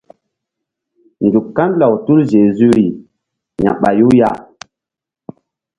Nzuk kan law te tul zezu ri ya̧ɓayu ya.